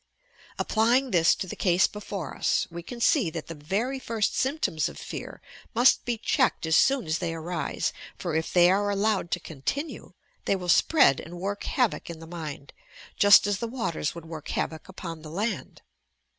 Applying this to the case before us, we can see that the very first symptoms of fear must be checked as Boon as they arise, for, if they are allowed to continue, they will spread and work havoc in the mind, just as the waters would work havoc upon the land.